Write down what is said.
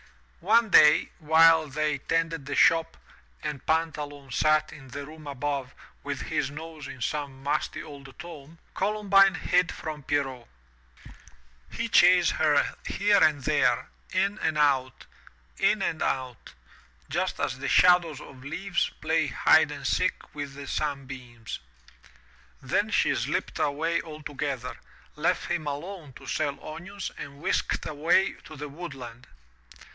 One day while they tended the shop, and Pantaloon sat in 357 M Y BOOK HOUSE the room above with his nose in some musty old tome, Columbine hid from Pierrot. He chased her here and there, in and out, in and out, just as the shadows of leaves play hide and seek with the sunbeams. Then she slipped away altogether, left him alone to sell onions and whisked away to the woodland.